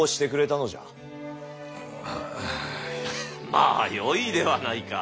まあよいではないか！